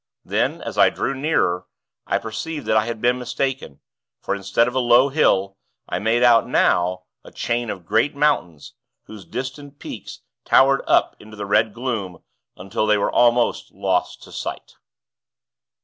Then, as I drew nearer, I perceived that I had been mistaken; for, instead of a low hill, I made out, now, a chain of great mountains, whose distant peaks towered up into the red gloom, until they were almost lost to sight."